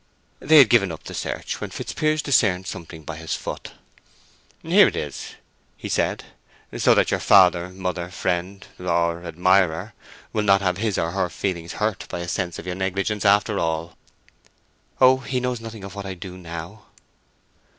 They had given up the search when Fitzpiers discerned something by his foot. "Here it is," he said, "so that your father, mother, friend, or admirer will not have his or her feelings hurt by a sense of your negligence after all." "Oh, he knows nothing of what I do now."